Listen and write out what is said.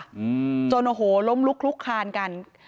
อืมจนโอ้โหล้มลุกลุกคานกัน